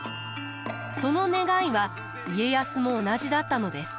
その願いは家康も同じだったのです。